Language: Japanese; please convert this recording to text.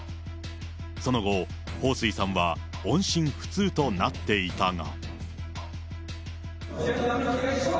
その後、彭帥さんは音信不通となっていたが。